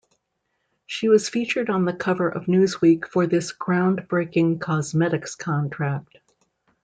She was featured on the cover of Newsweek for this ground-breaking cosmetics contract.